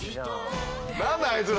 何だあいつら！